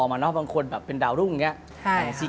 ที่ผ่านมาที่มันถูกบอกว่าเป็นกีฬาพื้นบ้านเนี่ย